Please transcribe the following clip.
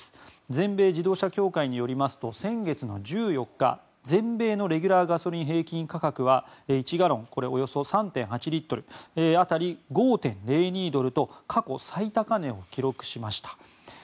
全米自動車協会によりますと先月の１４日、全米のレギュラーガソリン平均価格は１ガロンおよそ３．８リットル当たり５．０２ドルと過去最高値を記録しました。